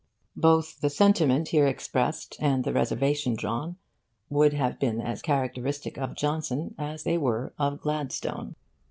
Both the sentiment here expressed and the reservation drawn would have been as characteristic of Johnson as they were of Gladstone.